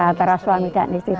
antara suami dan istri